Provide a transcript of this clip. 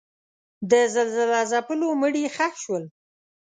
د زلزله ځپلو مړي ښخ شول.